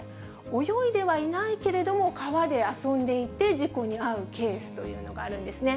泳いではいないけれども、川で遊んでいて事故に遭うケースというのがあるんですね。